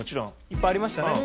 いっぱいありましたね。